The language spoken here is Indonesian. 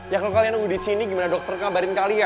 ya kalau kalian nunggu di sini gimana dokter ngabarin kalian hah